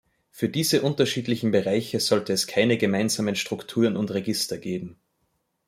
Für diese unterschiedlichen Bereiche sollten es keine gemeinsamen Strukturen und Register geben.